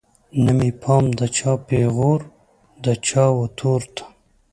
نه مې پام د چا پیغور د چا وتور ته